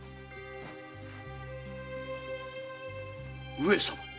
上様。